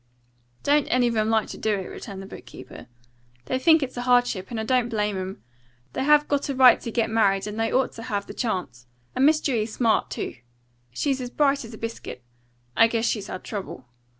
"Don't any of 'em like to do it," returned the book keeper. "They think it's a hardship, and I don't blame 'em. They have got a right to get married, and they ought to have the chance. And Miss Dewey's smart, too. She's as bright as a biscuit. I guess she's had trouble.